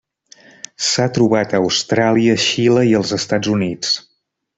S’ha trobat a Austràlia, Xile i als Estats Units.